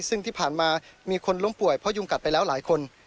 ซึ่งที่ผ่านมามีคนล้มป่วยเพราะยุงกัดไปแล้วหลายคน